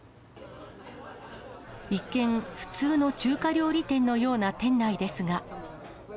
一見、普通の中華料理店のような店内ですが。